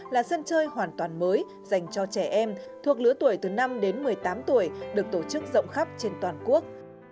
là sân chơi hoàn toàn mới dành cho trẻ em thuộc lứa tuổi từ năm đến một mươi tám tuổi được tổ chức rộng khắp trên toàn quốc